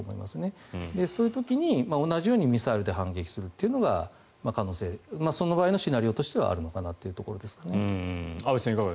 その時に同じようにミサイルで反撃するというのが可能性その場合のシナリオとしてはあると思います。